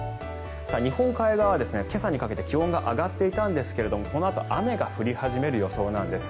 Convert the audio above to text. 日本海側は今朝にかけて気温が上がっていたんですがこのあと雨が降り始める予想なんです。